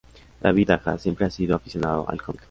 David Aja siempre ha sido aficionado al cómic.